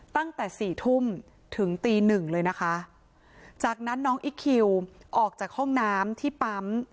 ตั้งแต่สี่ทุ่มถึงตีหนึ่งเลยนะคะจากนั้นน้องอิ๊กคิวออกจากห้องน้ำที่ปั๊ม